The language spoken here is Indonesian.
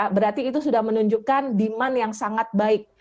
berarti itu sudah menunjukkan demand yang sangat baik